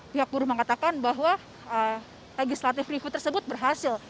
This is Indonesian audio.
pihak buruh mengatakan bahwa legislative review tersebut berhasil